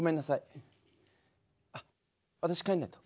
あ私帰んないと。